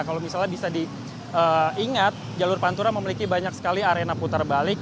kalau misalnya bisa diingat jalur pantura memiliki banyak sekali arena putar balik